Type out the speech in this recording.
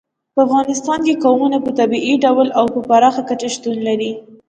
په افغانستان کې قومونه په طبیعي ډول او پراخه کچه شتون لري.